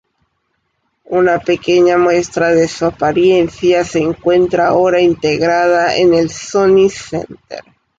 Una pequeña muestra de su apariencia se encuentra ahora integrada en el Sony Center.